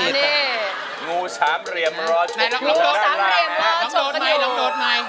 งูสามเหลี่ยมรอชกกระโดด